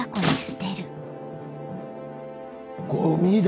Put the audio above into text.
ゴミだ！